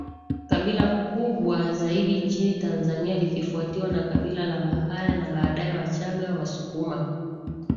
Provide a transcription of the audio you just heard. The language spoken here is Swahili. kabila kubwa zaidi nchini Tanzania likifuatiwa na Kabila la Wahaya na baadae WachaggaWasukuma